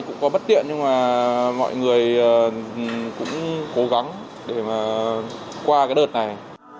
cũng có bất tiện nhưng mà mọi người cũng cố gắng để mà qua cái đợt này